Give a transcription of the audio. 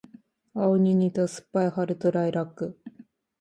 青に似た酸っぱい春とライラック